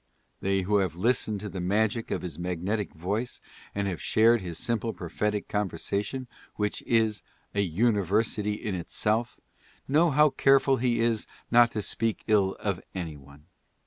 They who have listened to the magic of his magnetic voice and have shared his simple prophetic conversation, which is "a uni versity in itself," know how careful he is not to speak ill of any one.